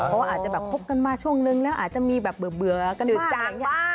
เพราะอาจจะแบบคบกันมาช่วงนึงเนี่ยอาจจะมีแบบเบื่อกันบ้าง